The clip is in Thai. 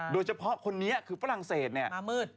โดยเฉพาะคนนี้คือฝรั่งเสธนี่